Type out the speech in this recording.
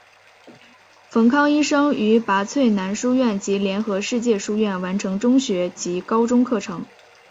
冯康医生于拔萃男书院及联合世界书院完成中学及高中课程。